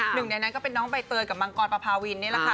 หนึ่งในนั้นก็เป็นน้องใบเตยกับมังกรประพาวินนี่แหละค่ะ